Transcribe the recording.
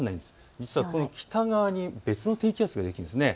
実はこの北側に別の低気圧がいるんです。